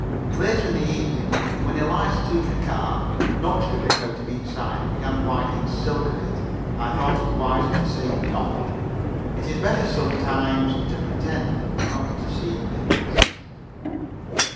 Later in the evening, when Eliza took a card, notched a bit out of each side, and began winding silk on it, I thought it wiser to say nothing. It is better sometimes to pretend not to see things.